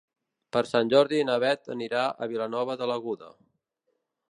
Per Sant Jordi na Bet anirà a Vilanova de l'Aguda.